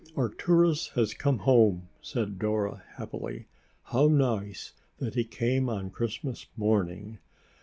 "Arcturus has come home!" said Dora happily. "How nice that he came on Christmas morning.